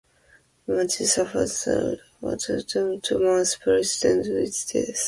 Ramchand suffered three heart attacks in the two months preceding his death.